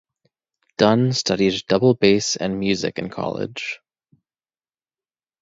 Dunn studied double bass and music in college.